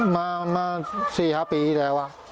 มา๔๕ปีแล้ว